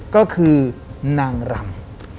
ก็คือนางรำ